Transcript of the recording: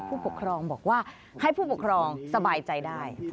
ผู้ปกครองบอกว่าให้ผู้ปกครองสบายใจได้